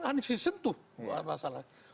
hanya disentuh masalahnya